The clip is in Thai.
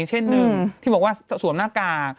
เช่นหนึ่งที่บอกว่าสวมหน้ากาก